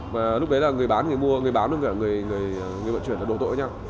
và lúc đấy là người bán người mua người bán đơn cả người vận chuyển là đổ tội với nhau